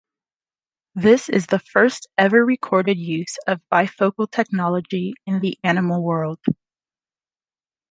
This is the first ever recorded use of bifocal technology in the animal world.